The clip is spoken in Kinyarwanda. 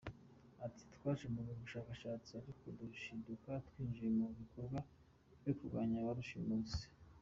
Ati “Twaje mu bushakashatsi ariko dushiduka twinjiye mu bikorwa byo kurwanya ba rushimusi.